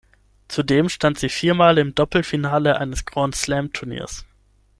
Zudem stand sie viermal im Doppelfinale eines Grand-Slam-Turniers.